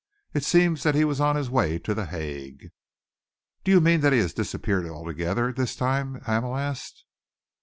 It seems that he was on his way to The Hague." "Do you mean that he has disappeared altogether this time?" Hamel asked.